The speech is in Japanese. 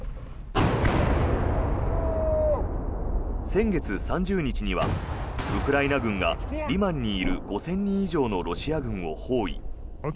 先月３０日にはウクライナ軍がリマンにいる５０００人以上のロシア軍を包囲。